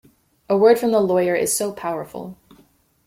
A word from the lawyer is so powerful.